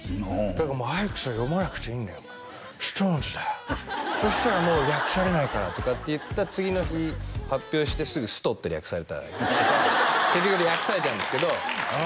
だから「ｉｘ」は読まなくていいんだよストーンズだよそしたらもう略されないからとかって言った次の日発表してすぐ「スト」って略された結局略されちゃうんですけどあ